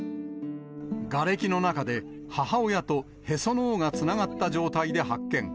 がれきの中で、母親とへその緒がつながった状態で発見。